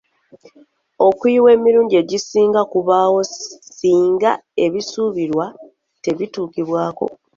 Okuyiwa emirundi egisinga kubaawo singa ebisuubirwa tebituukibwako.